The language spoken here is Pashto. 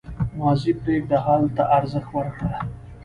• ماضي پرېږده، حال ته ارزښت ورکړه.